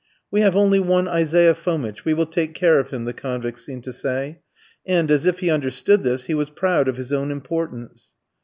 "We have only one Isaiah Fomitch, we will take care of him," the convicts seemed to say; and as if he understood this, he was proud of his own importance.